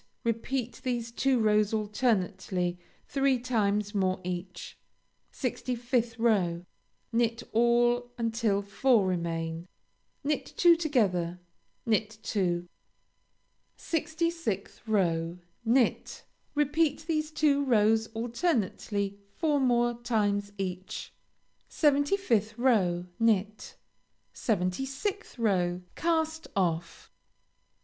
Repeat these two rows alternately three times more each. 65th row Knit all until four remain; knit two together; knit two. 66th row Knit. Repeat these two rows alternately four more times each. 75th row Knit. 76th row Cast off.